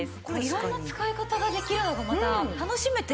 色んな使い方ができるのがまた楽しめていいですね。